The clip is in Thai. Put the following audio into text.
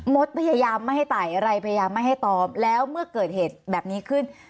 พยายามไม่ให้ไต่ไรพยายามไม่ให้ตอบแล้วเมื่อเกิดเหตุแบบนี้ขึ้น